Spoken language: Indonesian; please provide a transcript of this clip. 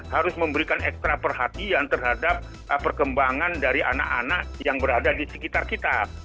harus memberikan ekstra perhatian terhadap perkembangan dari anak anak yang berada di sekitar kita